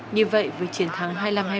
như vậy với chiến thắng hai mươi năm hai mươi